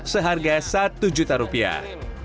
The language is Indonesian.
seharga satu juta rupiah